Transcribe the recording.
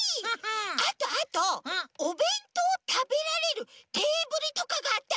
あとあとおべんとうをたべられるテーブルとかがあったほうがいいんじゃない？